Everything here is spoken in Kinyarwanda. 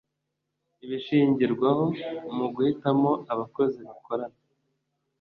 ibishingirwaho mu guhitamo abakozi bakorana